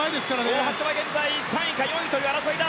大橋は現在３位と４位の争いだ。